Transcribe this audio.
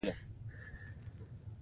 ډېری وختونه یې لنډیز اېب دی